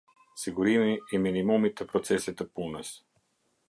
Sigurimi i minimumit të procesit të punës.